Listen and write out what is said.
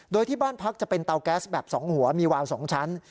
โดยที่บ้านพักจะเป็นเตาแก๊สแบบ๒หัวมีวาว๒ชั้น